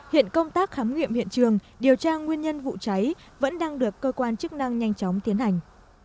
hiện công tác khám nghiệm hiện trường điều tra nguyên nhân vụ cháy vẫn đang được cơ quan chức năng nhanh chóng tiến hành